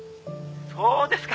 「そうですか」